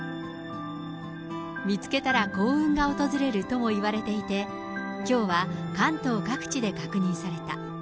見つけたら幸運が訪れるともいわれていて、きょうは関東各地で確認された。